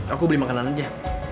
aku beli makanan aja